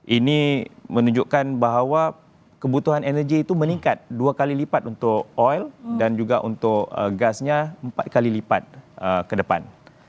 ini menunjukkan bahwa kebutuhan energi itu meningkat dua kali lipat untuk oil dan juga untuk gasnya empat kali lipat ke depan